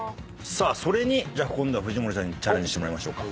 さあそれに今度は藤森さんにチャレンジしてもらいましょうか。